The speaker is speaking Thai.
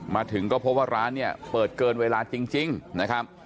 มาถึงก็พบว่าร้านเนี่ยเปิดเกินเวลาจริงนะครับ